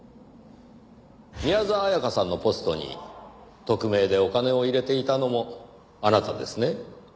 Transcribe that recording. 宮沢彩花さんのポストに匿名でお金を入れていたのもあなたですね？